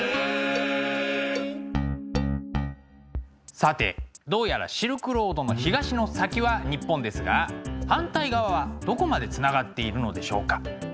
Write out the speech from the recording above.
さてどうやらシルクロードの東の先は日本ですが反対側はどこまでつながっているのでしょうか？